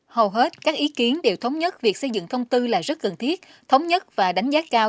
hầu hết các ý kiến đều thống nhất việc xây dựng thông tư là rất cần thiết thống nhất và đánh giá cao